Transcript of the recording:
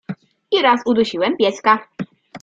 i raz udusiłem pieska.